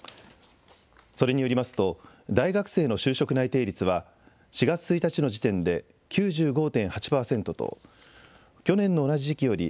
それによりますと大学生の就職内定率は４月１日の時点で９５．８％と去年の同じ時期より